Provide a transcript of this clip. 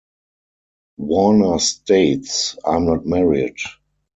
Warner states, I'm not married.